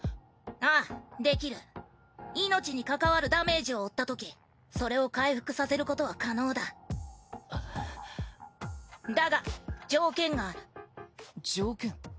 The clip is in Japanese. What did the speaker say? ああできる命に関わるダメージを負ったときそれを回復させることは可能だはぁだが条件がある条件？